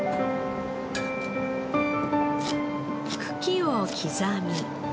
茎を刻み。